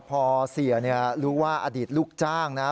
พอเสียรู้ว่าอดีตลูกจ้างนะ